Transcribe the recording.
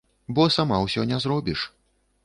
Бо сама ўсё не зробіш.